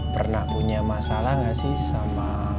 pernah punya masalah gak sih sama